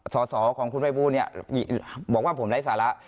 สอของคุณไปบูลเนี่ยต่ำความว่าผมไร้สาระ